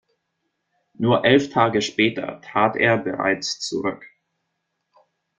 Nur elf Tage später trat er bereits zurück.